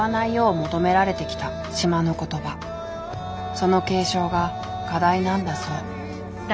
その継承が課題なんだそう。